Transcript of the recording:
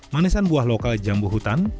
manisan buah lokal jambu hutan